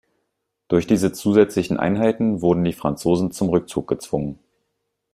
Durch diese zusätzlichen Einheiten wurden die Franzosen zum Rückzug gezwungen.